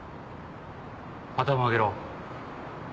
頭上げろ。